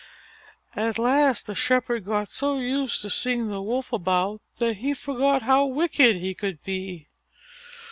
At last the Shepherd got so used to seeing the Wolf about that he forgot how wicked he could be.